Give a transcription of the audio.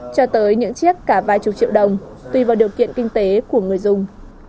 cho tới những chiếc cả vài chục triệu đồng tùy vào điều kiện kinh tế của người dùng